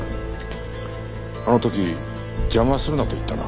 あの時邪魔するなと言ったな？